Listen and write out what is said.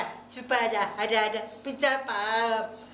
karena mereka bisa mengajar anak anak dengan kemampuan menghafal dan menangani kehidupan